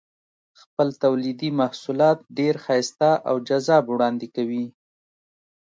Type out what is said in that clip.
خپل تولیدي محصولات ډېر ښایسته او جذاب وړاندې کوي.